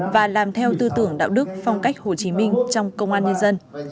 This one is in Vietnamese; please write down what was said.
và làm theo tư tưởng đạo đức phong cách hồ chí minh trong công an nhân dân